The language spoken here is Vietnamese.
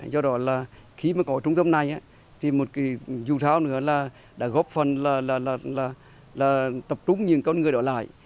do đó là khi mà có trung tâm này thì một dù sao nữa là đã góp phần là tập trung những con người đó lại